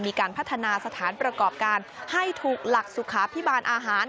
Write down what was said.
มีการพัฒนาสถานประกอบการให้ถูกหลักสุขาพิบาลอาหาร